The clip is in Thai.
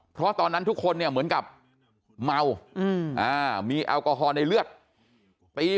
เพราะตอนนั้นทุกคนเนี่ยเหมือนกับเมามีแอลกอฮอล์ในเลือดตี